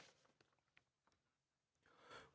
อืม